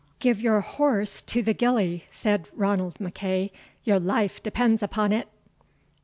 "Give your horse to the gillie," said Ranald MacEagh; "your life depends upon it."